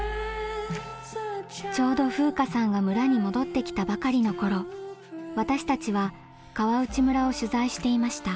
ちょうど風夏さんが村に戻ってきたばかりの頃私たちは川内村を取材していました。